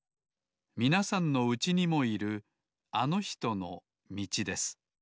みなさんのうちにもいるあのひとのみちです